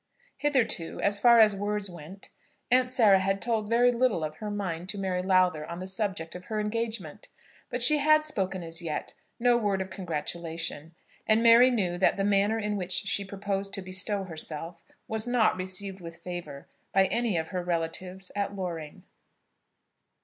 Hitherto, as far as words went, Aunt Sarah had told very little of her mind to Mary Lowther on the subject of her engagement, but she had spoken as yet no word of congratulation; and Mary knew that the manner in which she proposed to bestow herself was not received with favour by any of her relatives at Loring.